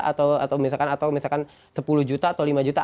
atau misalkan sepuluh juta atau lima juta